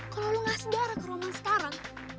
kalau lo ngasih darah ke roman sekarang